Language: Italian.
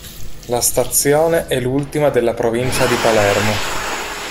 La stazione è l'ultima della provincia di Palermo.